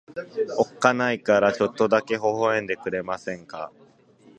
おっかないからちょっとだけ微笑んでくれませんか。